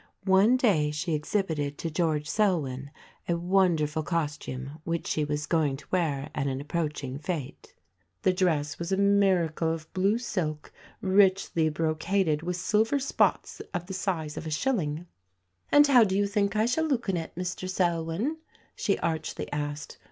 One day she exhibited to George Selwyn a wonderful costume which she was going to wear at an approaching fête. The dress was a miracle of blue silk, richly brocaded with silver spots of the size of a shilling. "And how do you think I shall look in it, Mr Selwyn?" she archly asked.